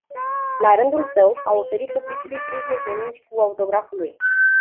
La rândul său, a oferit publicului treizeci de mingi cu autograful lui.